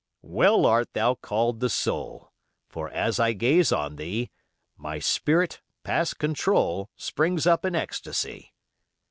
Well art thou called the soul; For as I gaze on thee, My spirit, past control, Springs up in ecstasy.